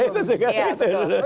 nah itu juga